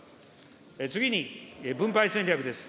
次に分配戦略です。